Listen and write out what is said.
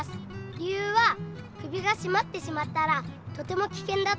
理ゆうは首がしまってしまったらとてもきけんだと思うからです。